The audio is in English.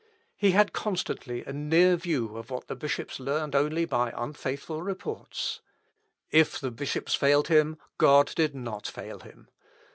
He had constantly a near view of what the bishops learned only by unfaithful reports. If the bishops failed him, God did not fail him.